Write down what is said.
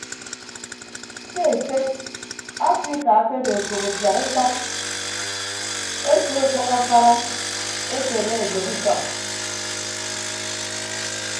Ke esed afrika akedo okop afiad etap ese ọkpʌk afara ekpere edueb utọñ.